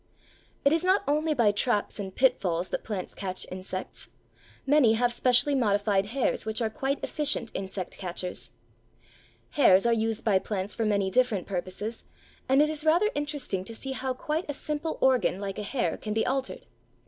It is not only by traps and pitfalls that plants catch insects: many have specially modified hairs which are quite efficient insect catchers. Hairs are used by plants for many different purposes, and it is rather interesting to see how quite a simple organ like a hair can be altered.